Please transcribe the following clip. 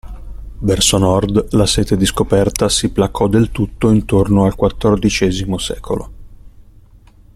Verso Nord, la sete di scoperta si placò del tutto intorno al XIV secolo.